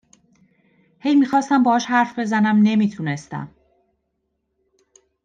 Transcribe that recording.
هی می خواستم باهاش حرف بزنم نمی تونستم